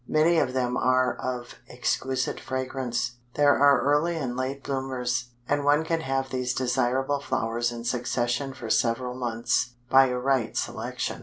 Many of them are of exquisite fragrance. There are early and late bloomers, and one can have these desirable flowers in succession for several months, by a right selection.